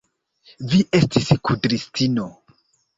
Vi estis kudristino!